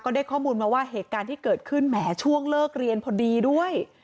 ได้ข้อมูลมาว่าเหตุการณ์ที่เกิดขึ้นแหมช่วงเลิกเรียนพอดีด้วย